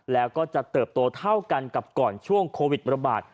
แล้วก็จะเติบโตเท่ากันกับก่อนช่วงโควิดระบาด